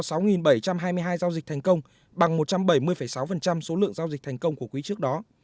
tại tp hcm có sáu bảy trăm hai mươi hai giao dịch thành công bằng một trăm bảy mươi sáu số lượng giao dịch thành công của quý trước đó